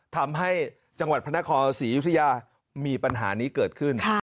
ทำให้จังหวัดพระนครศรียุธยามีปัญหานี้เกิดขึ้น